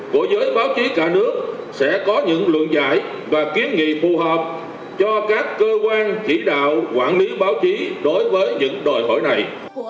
của giới báo chí cả nước sẽ có những lượng giải và kiến nghị phù hợp cho các cơ quan chỉ đạo quản lý báo chí đối với những đòi hỏi này